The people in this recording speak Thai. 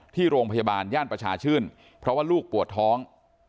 ที่โรงพยาบาลย่านประชาชื่นเพราะว่าลูกปวดท้อง